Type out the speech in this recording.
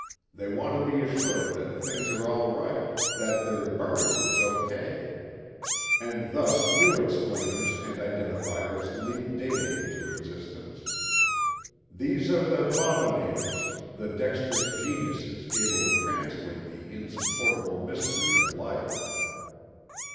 They want to be assured that things are all right, that their burial is O. K. And thus new explainers and identifiers leap daily into existence. These are the bombinators, the dexterous geniuses able to translate the insupportable mystery of life.